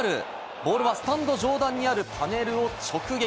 ボールはスタンド上段にあるパネルを直撃！